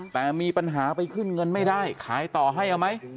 แต่มีปัญหาไปขึ้นเงินไม่ได้ขายต่อให้เอาไหม